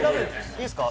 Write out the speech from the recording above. いいっすか？